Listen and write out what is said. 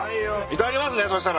頂きますねそしたらね。